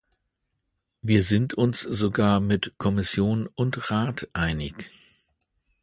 Wir sind uns sogar mit Kommission und Rat einig.